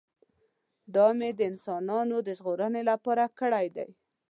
دا مې د انسانانو د ژغورنې لپاره کړی دی.